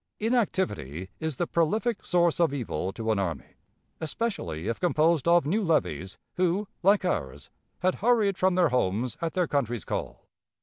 Inactivity is the prolific source of evil to an army, especially if composed of new levies, who, like ours, had hurried from their homes at their country's call.